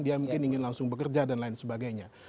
dia mungkin ingin langsung bekerja dan lain sebagainya